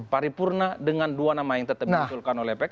paripurna dengan dua nama yang tetap diusulkan oleh pks